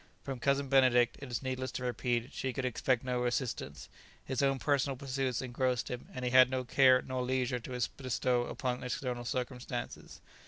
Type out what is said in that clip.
From Cousin Benedict, it is needless to repeat, she could expect no assistance; his own personal pursuits engrossed him, and he had no care nor leisure to bestow upon external circumstances.